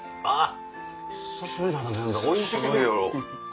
あ！